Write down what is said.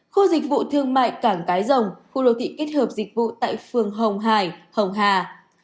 khu dịch vụ thương mại cảng cái rồng khu đô thị kết hợp dịch vụ tại phường hồng hải hồng hà